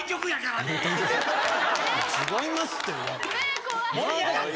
違いますって。